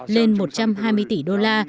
lên một trăm hai mươi tỷ đô la